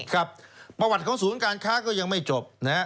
ครับประวัติของศูนย์การค้าก็ยังไม่จบนะฮะ